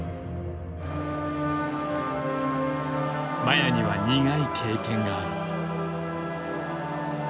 麻也には苦い経験がある。